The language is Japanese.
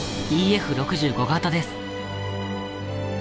ＥＦ６５形です。